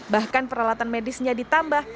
bahkan peralatan medisnya ditambah